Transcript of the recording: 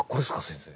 先生。